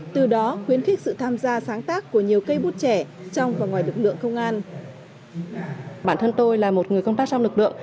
từ đó khuyến khích sự tham gia sáng tác của nhiều cây bút trẻ trong và ngoài lực lượng công an